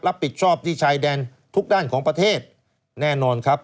รับผิดชอบที่ชายแดนทุกด้านของประเทศแน่นอนครับ